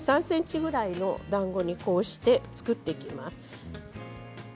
３ｃｍぐらいのだんごにこうして作っていきます。